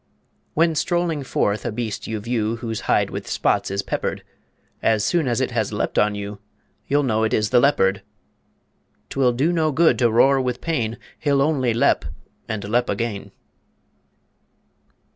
When strolling forth, a beast you view Whose hide with spots is peppered; As soon as it has leapt on you, You'll know it is the Leopard. 'T will do no good to roar with pain, He'll only lep and lep again.